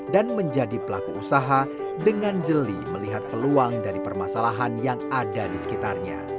dan menjadi pelaku usaha dengan jeli melihat peluang dari permasalahan yang ada di sekitarnya